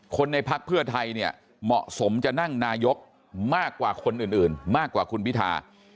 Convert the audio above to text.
ในพักเพื่อไทยเนี่ยเหมาะสมจะนั่งนายกมากกว่าคนอื่นมากกว่าคุณพิธา